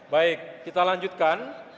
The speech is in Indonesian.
baik kita lanjutkan